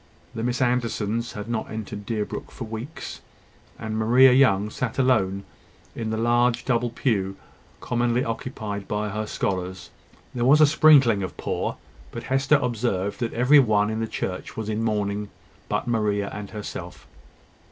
The Miss Andersons had not entered Deerbrook for weeks; and Maria Young sat alone in the large double pew commonly occupied by her scholars. There was a sprinkling of poor; but Hester observed that every one in the church was in mourning but Maria and herself.